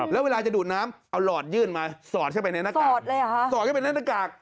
แล้วเวลาจะดูดน้ำเอาหลอดยื่นมาสอดเข้าไปในหน้ากาก